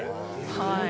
はい。